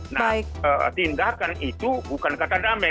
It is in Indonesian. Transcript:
nah tindakan itu bukan kata damai